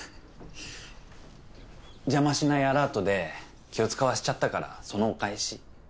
じゃましないアラートで気を使わせちゃったからそのお返し。